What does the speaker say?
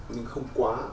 nhưng không quá